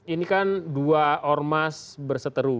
ini kan dua ormas berseteru